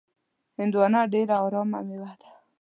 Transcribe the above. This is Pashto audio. هندوانه ډېره ارامه میوه ده.